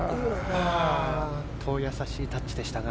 優しいタッチでしたが。